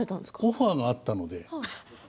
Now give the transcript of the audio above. オファーがあったので。